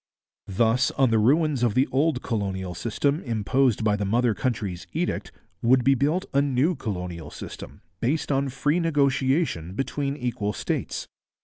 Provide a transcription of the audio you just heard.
Thus, on the ruins of the old colonial system imposed by the mother country's edict, would be built a new colonial system based on free negotiation between equal states.